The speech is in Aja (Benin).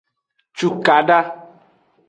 Cukada.